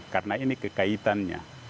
karena ini kekaitannya